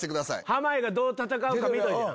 濱家がどう戦うか見といてな。